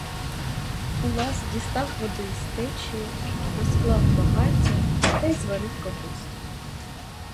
Улас дістав води з течії, розклав багаття та й зварив капусту.